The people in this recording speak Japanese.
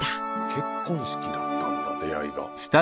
結婚式だったんだ出会いが。